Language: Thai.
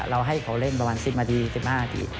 ให้เขาเล่นประมาณ๑๐นาที๑๕นาที